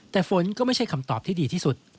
แต่ฝนก็ไม่ใช่คำตอบที่ดีที่สุด